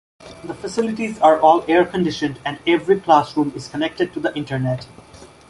The facilities are all air-conditioned and every classroom is connected to the Internet.